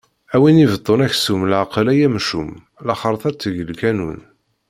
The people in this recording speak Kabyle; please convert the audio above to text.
A win ibeṭṭun aksum leɛqel ay amcum, laxeṛt ad teg lqanun!